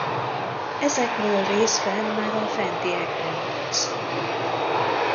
Ezekről részben már a fentiekben volt szó.